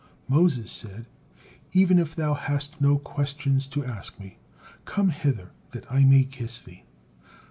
Moses said, "Even if thou hast no questions to ask to me, come hither, that I may kiss thee."